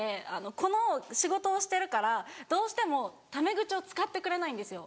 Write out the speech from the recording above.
この仕事をしてるからどうしてもタメ口を使ってくれないんですよ